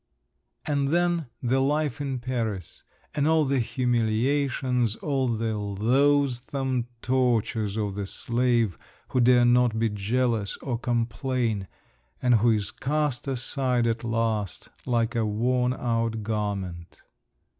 And then, the life in Paris, and all the humiliations, all the loathsome tortures of the slave, who dare not be jealous or complain, and who is cast aside at last, like a worn out garment….